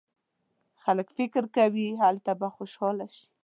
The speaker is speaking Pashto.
خلک فکر کوي هلته به خوشاله شي.